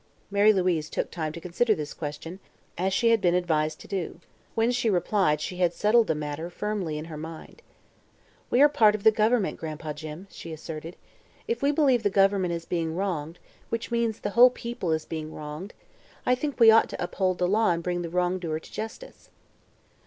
Mary Louise took time to consider this question, as she had been advised to do. When she replied she had settled the matter firmly in her mind. "We are part of the Government, Gran'pa Jim," she asserted. "If we believe the Government is being wronged which means the whole people is being wronged I think we ought to uphold the law and bring the wrong doer to justice."